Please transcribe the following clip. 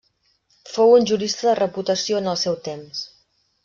Fou un jurista de reputació en el seu temps.